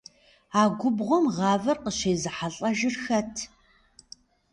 А губгъуэм гъавэр къыщезыхьэлӏэжыр хэт?